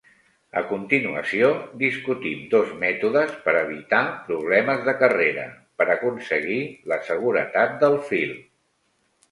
A continuació discutim dos mètodes per evitar problemes de carrera per aconseguir la seguretat del fil.